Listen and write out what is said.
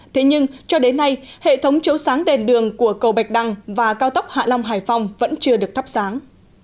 thế nhưng cho đến nay hệ thống chấu sáng đèn đường của cầu bạch đăng và cao tốc hạ long hải phòng vẫn chưa được thắp sáng